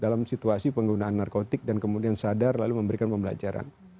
dalam situasi penggunaan narkotik dan kemudian sadar lalu memberikan pembelajaran